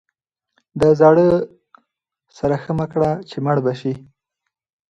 د زاړه سره ښه مه کړه چې مړ به شي.